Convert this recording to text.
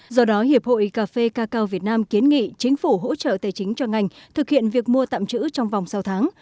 do đó hiệp hội cà phê cà cao việt nam kiến nghị chính phủ hỗ trợ tài chính cho ngành thực hiện việc mua tạm trữ trong vòng sáu tháng